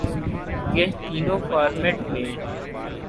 کہ تینوں فارمیٹ میں